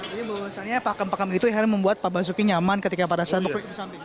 jadi misalnya pakem pakem itu yang membuat pak basuki nyaman ketika pada saat berpikir ke samping